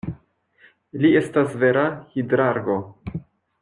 Li estas vera hidrargo.